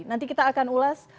nanti kita akan ulas